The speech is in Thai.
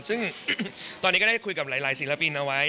ซึ่งตอนนี้ก็ได้คุยกับหลายศิลปินเอาไว้